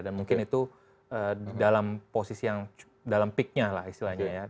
dan mungkin itu dalam posisi yang dalam peak nya lah istilahnya ya